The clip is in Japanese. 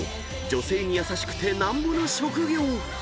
女性に優しくてなんぼの職業］